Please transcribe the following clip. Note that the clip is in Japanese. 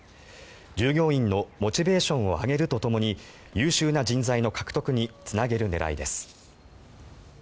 従業員のモチベーションを上げるとともに優秀な人材の獲得につなげる狙いです。